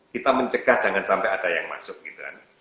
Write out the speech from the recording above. kita mencegah jangan sampai ada yang masuk gitu kan